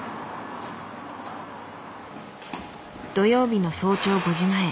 土曜日の早朝５時前。